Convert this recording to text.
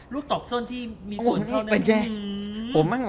ลูกตกส้นที่มีส่วนเท่านั้น